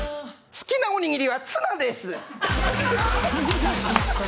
好きなおにぎりはツナです。